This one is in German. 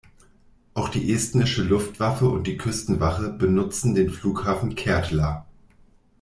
Auch die estnische Luftwaffe und die Küstenwache benutzen den Flughafen Kärdla.